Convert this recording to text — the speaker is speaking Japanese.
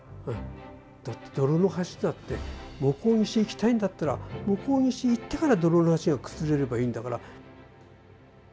だって泥の橋だって向こう岸へ行きたいんだったら向こう岸に行ってから泥の橋が崩れればいいんだから。